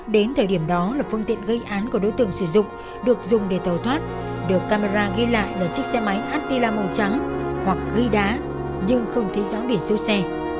đến thời điểm đó là phương tiện gây án của đối tượng sử dụng được dùng để tàu thoát được camera ghi lại là chiếc xe máy atila màu trắng hoặc ghi đá nhưng không thấy rõ biển số xe